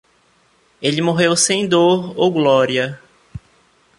Ele morreu sem dor ou glória.